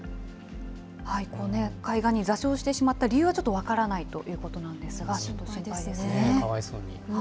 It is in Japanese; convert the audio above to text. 海岸に座礁してしまった理由はちょっと分からないということなんかわいそうに。